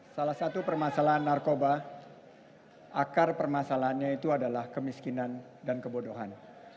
salah satu permasalahan narkoba akar permasalahannya itu adalah kemiskinan dan kebodohan